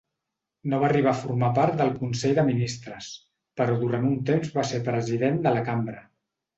No va arribar a formar part del consell de ministres, però durant un temps va ser president de la cambra.